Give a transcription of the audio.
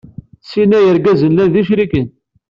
Sin-a yergazen llan d icriken.